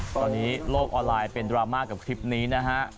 ตอนนี้โลกออนไลน์เป็นดราม่ากับคลิปนี้นะฮะ